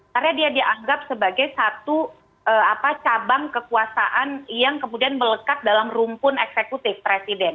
karena dia dianggap sebagai satu cabang kekuasaan yang kemudian melekat dalam rumpun eksekutif presiden